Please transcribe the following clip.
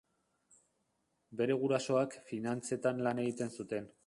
Bere gurasoak finantzetan lan egiten zuten.